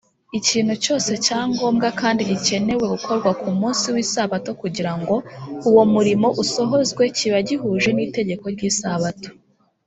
ikintu cyose cya ngombwa kandi gikenewe gukorwa ku munsi w’isabato kugira ngo uwo murimo usohozwe kiba gihuje n’itegeko ry’isabato